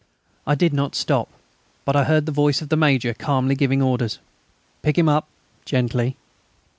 I did not stop, but I heard the voice of the Major calmly giving orders: "Pick him up! Gently...."